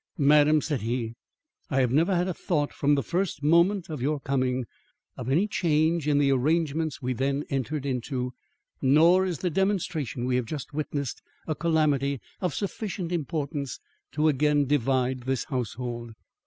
"Madam," said he, "I have never had a thought from the first moment of your coming, of any change in the arrangements we then entered into; nor is the demonstration we have just witnessed a calamity of sufficient importance to again divide this household.